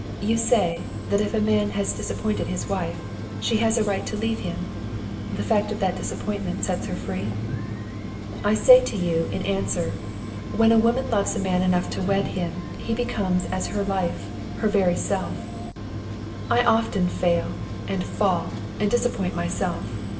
"You say, that if a man has disappointed his wife, she has a right to leave him; the fact of that disappointment sets her free? "I say to you, in answer: when a woman loves a man enough to wed him, he becomes to her as her life her very self. "I often fail, and fall, and disappoint myself.